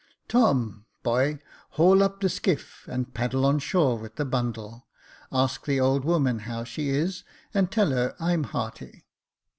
Tom, boy, haul up the skiff and paddle on shore with the bundle ; ask the old woman how she is, and tell her I'm hearty."